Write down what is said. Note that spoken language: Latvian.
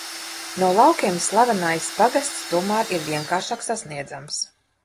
No laukiem slavenais pagasts tomēr ir vienkāršāk sasniedzams.